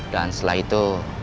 dan setelah itu